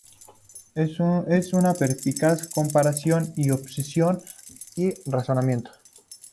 Es una perspicaz comparación de observación y razonamiento.